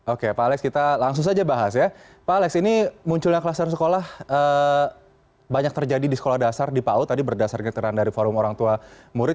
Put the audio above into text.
oke pak alex kita langsung saja bahas ya pak alex ini munculnya kluster sekolah banyak terjadi di sekolah dasar di pau tadi berdasarkan keterangan dari forum orang tua murid